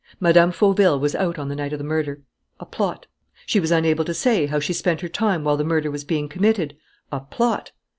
Mme. Fauville was out on the night of the murder: a plot! She was unable to say how she spent her time while the murder was being committed: a plot!